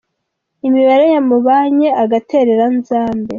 Imibare yamubanye agateranzamba.